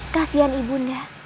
kasian ibu nda